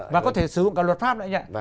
và có thể sử dụng cả luật pháp nữa nhé